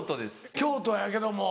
京都やけども。